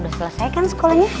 udah selesai kan sekolahnya